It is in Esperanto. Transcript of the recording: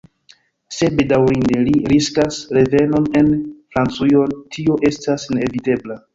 Se bedaŭrinde li riskas revenon en Francujon, tio estas neevitebla.